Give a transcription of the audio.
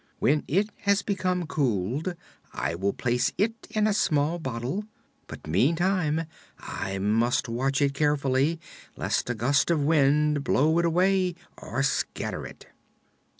When it has become cooled I will place it in a small bottle; but meantime I must watch it carefully, lest a gust of wind blow it away or scatter it."